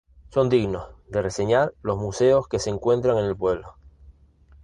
Son dignos de reseñar los museos que se encuentran en el pueblo.